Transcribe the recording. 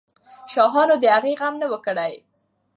شاهانو د هغې غم نه وو کړی.